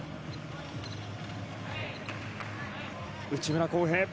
内村航平。